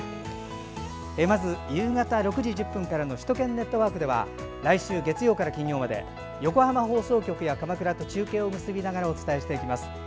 まず夕方６時１０分からの「首都圏ネットワーク」では来週月曜から金曜まで横浜放送局や鎌倉と中継を結びながらお伝えしていきます。